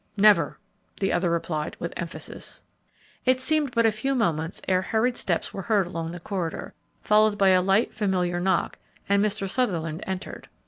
"Never!" the other replied with emphasis. It seemed but a few moments ere hurried steps were heard along the corridor, followed by a light, familiar knock, and Mr. Sutherland entered.